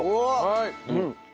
はい！